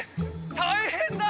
たいへんだ！